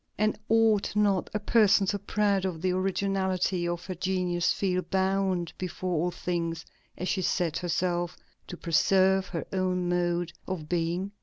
and ought not a person so proud of the originality of her genius feel bound before all things, as she said herself, "to preserve her own mode of being"?